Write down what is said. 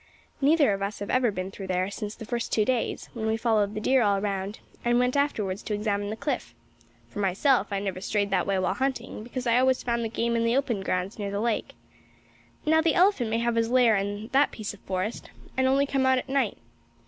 Neither of us has ever been through there since the first two days, when we followed the deer all round, and went afterwards to examine the cliff. For myself, I never strayed that way while hunting because I always found the game in the open grounds near the lake. Now the elephant may have his lair in that piece of forest, and only come out at night.